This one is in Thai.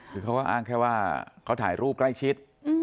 คือเขาก็อ้างแค่ว่าเขาถ่ายรูปใกล้ชิด